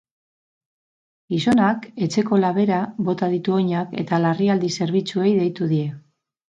Gizonak etxeko labera bota ditu oinak eta larrialdi zerbitzuei deitu die.